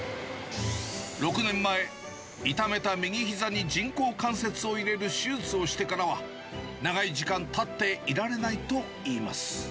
６年前、痛めた右ひざに人工関節を入れる手術をしてからは、長い時間、立っていられないといいます。